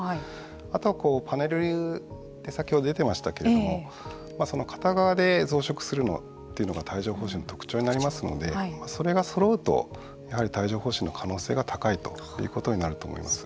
あと、パネルで先ほど出てましたけれどもその片側で増殖するというのが帯状ほう疹の特徴になりますのでそれがそろうとやはり帯状ほう疹の可能性が高いということになると思います。